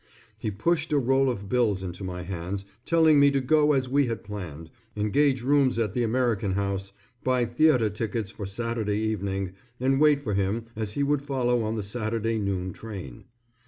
He pushed a roll of bills into my hands telling me to go as we had planned, engage rooms at the American House, buy theatre tickets for Saturday evening, and wait for him as he would follow on the Saturday noon train.